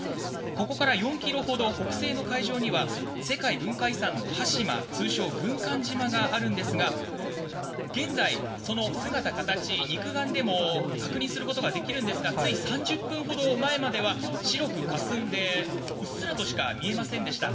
ここから４ｋｍほど北西の海上には世界遺産の端島通称・軍艦島があるんですが現在、その姿かたち肉眼でも確認することができるんですがつい３０分ほど前までは白くかすんでうっすらとしか見えませんでした。